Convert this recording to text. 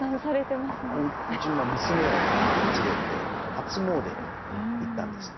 うちの娘を連れて初詣に行ったんですね。